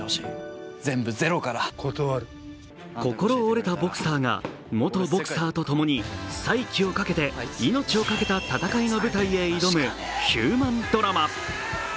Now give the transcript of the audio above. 心折れたボクサーが元ボクサーとともに先をかけて命を懸けた戦いの舞台へ挑むヒューマンドラマ。